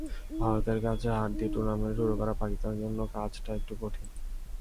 ভারতের কাছে হার দিয়ে টুর্নামেন্ট শুরু করা পাকিস্তানের জন্য কাজটা একটু কঠিন।